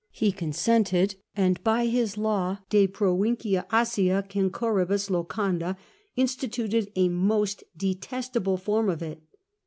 He consented, and by his law de Pracincia Asia censoribus locanda instituted a most detestable form of it.